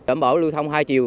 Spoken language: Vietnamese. động bộ lưu thông hai chiều